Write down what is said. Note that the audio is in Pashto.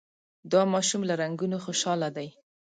دا ماشوم له رنګونو خوشحاله دی.